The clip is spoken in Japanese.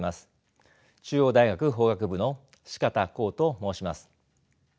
中央大学法学部の四方光と申します。